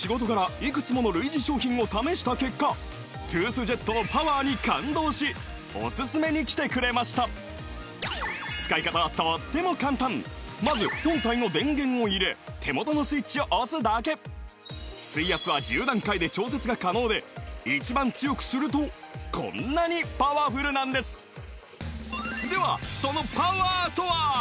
いくつもの類似商品を試した結果トゥースジェットのパワーに感動しお薦めにきてくれました使い方はとっても簡単まず本体の電源を入れで調節が可能で一番強くするとこんなにパワフルなんですではそのパワーとは？